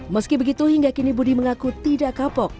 meski begitu hingga kini budi mengaku tidak kapok